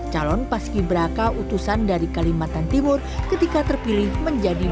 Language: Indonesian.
calon paski braka utusan dari kalimantan timur ketika terpilih menjadi